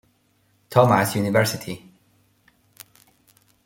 Thomas University.